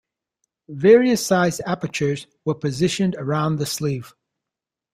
Various sized apertures were positioned around the sleeve.